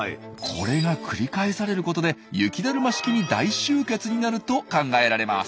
これが繰り返されることで雪だるま式に大集結になると考えられます。